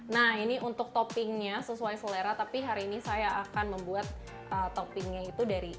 nah ini untuk toppingnya sesuai selera tapi hari ini saya akan membuat toppingnya itu dari